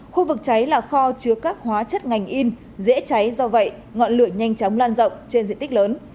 khu vực cháy là kho chứa các hóa chất ngành in dễ cháy do vậy ngọn lửa nhanh chóng lan rộng trên diện tích lớn